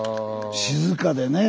静かでね。